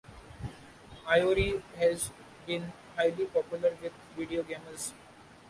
Iori has been highly popular with video gamers.